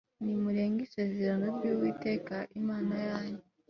nimurenga isezerano ry uwiteka imana yanyu